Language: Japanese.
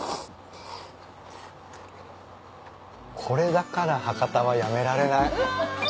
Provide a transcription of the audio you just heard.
これだから博多はやめられない。